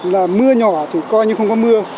là mưa nhỏ thì coi như không có mưa